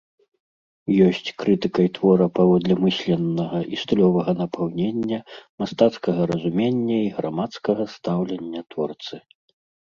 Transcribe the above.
Ёсць крытыкай твора паводле мысленнага і стылёвага напаўнення, мастацкага разумення і грамадскага стаўлення творцы.